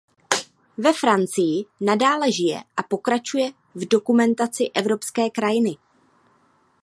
Ve Francii nadále žije a pokračuje v dokumentaci evropské krajiny.